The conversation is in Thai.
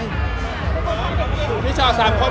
พี่ดอยครับ